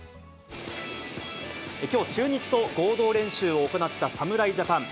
きょう、中日と合同練習を行った侍ジャパン。